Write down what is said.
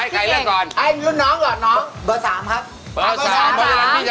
เก่งเลือกเบอร์๓ใช่ไหม